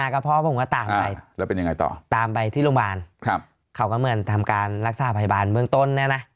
กับพ่อผมก็ตามไปแล้วเป็นยังไงต่อตามไปที่โรงพยาบาลครับเขาก็เหมือนทำการรักษาพยาบาลเมืองต้นเนี่ยนะ